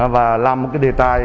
và làm một cái đề tài